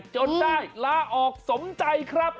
จนได้ลาออกสมใจครับ